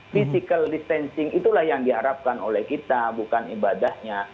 physical distancing itulah yang diharapkan oleh kita bukan ibadahnya